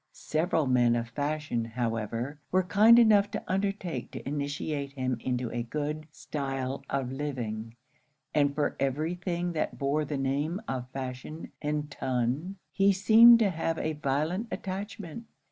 Several men of fashion, however, were kind enough to undertake to initiate him into a good style of living; and for every thing that bore the name of fashion and ton, he seemed to have a violent attachment.